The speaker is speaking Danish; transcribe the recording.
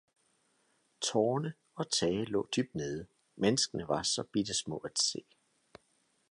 Tårne og tage lå dybt nede, menneskene var så bittesmå at se.